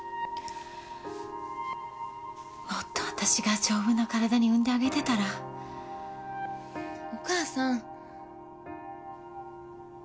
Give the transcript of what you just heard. もっと私が丈夫な体に産んであげてたらお母さん！